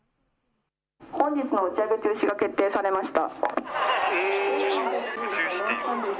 本日の打ち上げ中止が決定されました。